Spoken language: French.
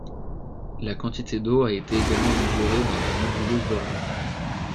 La quantité d'eau a été également mesurée dans la nébuleuse d'Orion.